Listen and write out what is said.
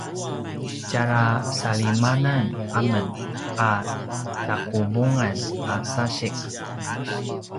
tjalja salimanan amen a taquvungan a sasiq